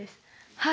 はい。